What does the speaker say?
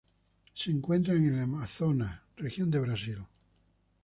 Se encuentran en el Amazonas región de Brasil.